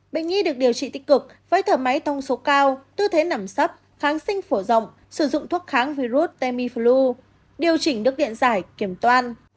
bệnh nhi được điều trị tích cực với thở máy thông số cao tư thế nằm sắp kháng sinh phổ rộng sử dụng thuốc kháng virus tamiflu điều chỉnh đức điện giải kiểm toan